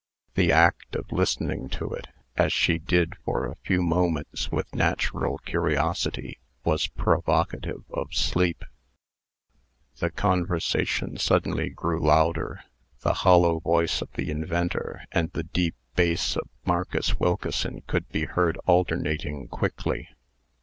The act of listening to it as she did for a few moments with natural curiosity was provocative of sleep. The conversation suddenly grew louder. The hollow voice of the inventor, and the deep bass of Marcus Wilkeson, could be heard alternating quickly.